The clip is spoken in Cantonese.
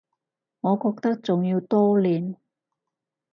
我覺得仲要多練